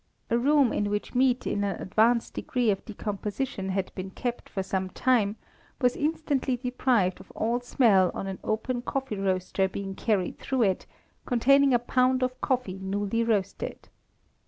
A room in which meat in an advanced degree of decomposition had been kept for some time, was instantly deprived of all smell on an open coffee roaster being carried through it, containing a pound of coffee newly roasted.